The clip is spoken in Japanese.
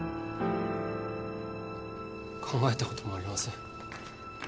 考えたこともありません。